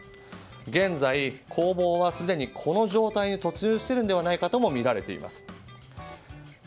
現在、攻防はすでにこの状態に突入しているのではないかともみられています。